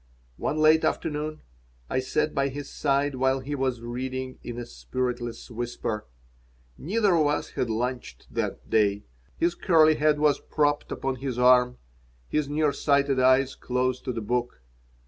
One late afternoon I sat by his side while he was reading in a spiritless whisper. Neither of us had lunched that day. His curly head was propped upon his arm, his near sighted eyes close to the book.